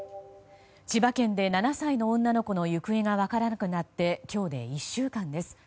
千葉県で７歳の女の子の行方が分からなくなって今日で１週間です。